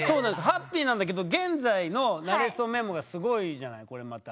ハッピーなんだけど現在の「なれそメモ」がすごいじゃないこれまた。